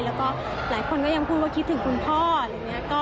แล้วก็หลายคนก็ยังพูดว่าคิดถึงคุณพ่ออะไรอย่างนี้